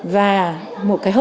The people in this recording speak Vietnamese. và một cái hợp